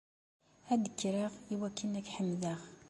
Ad d-kkreɣ iwakken ad k-ḥemdeɣ.